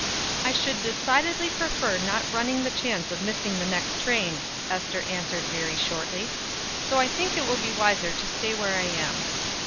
"I should decidedly prefer not running the chance of missing the next train," Ester answered very shortly. "So I think it will be wiser to stay where I am."